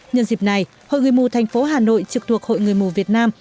nhân dịp này hội người mù thành phố hà nội trực thuộc hội người mù việt nam